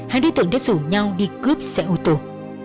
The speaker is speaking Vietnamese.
hai đối tượng đã rủ nhau đi cướp xe ô tô